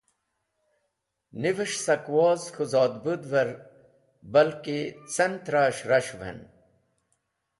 Nives̃h sak woz k̃hũ zodbũd’ver balki cemtra’es̃h ras̃h’ven.